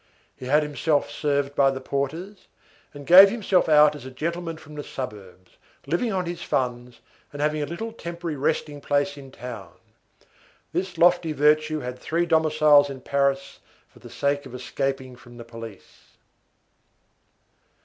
He had himself served by the porters, and gave himself out as a gentleman from the suburbs, living on his funds, and having a little temporary resting place in town. This lofty virtue had three domiciles in Paris for the sake of escaping from the police.